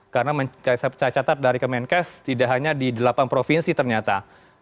karena saya catat dari kemenkes tidak hanya di delapan provinsi ternyata